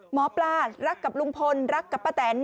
หมอปลารักกับลุงพลรักกับป้าแตน